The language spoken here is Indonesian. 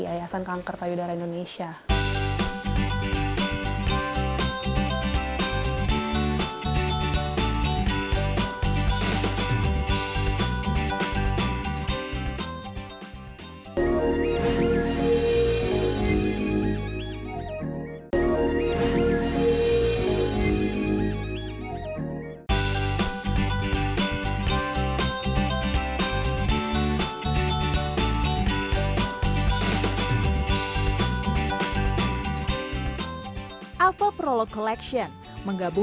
ayasan kanker tayudara indonesia